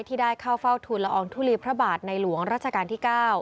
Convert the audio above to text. ที่ได้เข้าเฝ้าทุนละอองทุลีพระบาทในหลวงราชการที่๙